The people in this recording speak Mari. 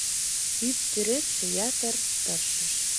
Ӱп тӱредше ятыр тыршыш.